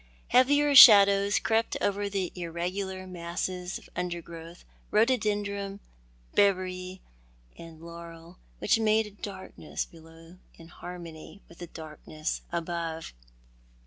Heavier shadows crept over the irregular masses of under growth, rhododendron, berberis, and laurel, which made a darkness below in harmony with the darkness above.